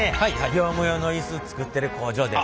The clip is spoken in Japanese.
業務用のイス作ってる工場です。